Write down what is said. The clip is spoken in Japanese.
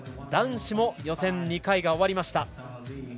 男子も予選２回が終わりました。